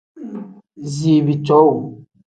Ziibi cowuu.